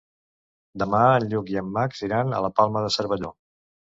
Demà en Lluc i en Max iran a la Palma de Cervelló.